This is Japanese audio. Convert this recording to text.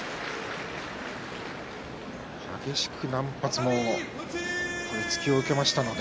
激しく何発も突きを受けましたので。